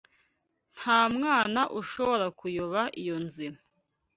Nta mwana ushobora kuyoba iyo nzira.